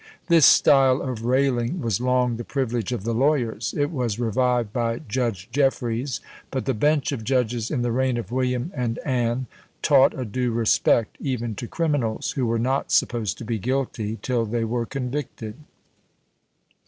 This style of railing was long the privilege of the lawyers; it was revived by Judge Jeffreys; but the bench of judges in the reign of William and Anne taught a due respect even to criminals, who were not supposed to be guilty till they were convicted.